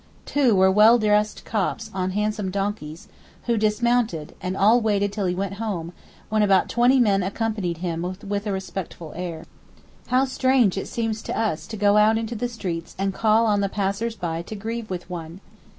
Two were well dressed Copts on handsome donkeys, who dismounted, and all waited till he went home, when about twenty men accompanied him with a respectful air. How strange it seems to us to go out into the street and call on the passers by to grieve with one!